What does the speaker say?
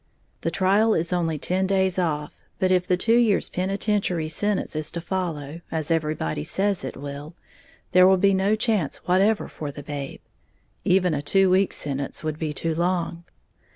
The trial is only ten days off; but if the two years' penitentiary sentence is to follow, as everybody says it will, there will be no chance whatever for the babe even a two weeks' sentence would be too long.